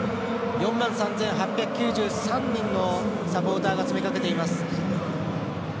４万３８９３人のサポーターが詰めかけています。